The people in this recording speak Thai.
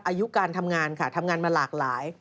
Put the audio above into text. อายุการทำงานค่ะทำงานมาหลากหลาย